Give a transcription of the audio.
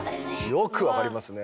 よく分かりますね。